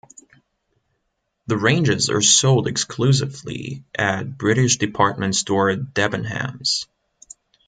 The ranges are sold exclusively at British department store Debenhams.